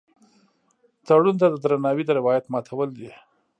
تړون ته د درناوي د روایت ماتول دي.